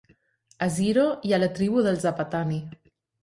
A Ziro hi ha la tribu dels Apatani.